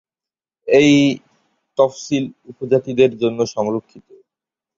এই তফসিলী উপজাতিদের জন্য সংরক্ষিত।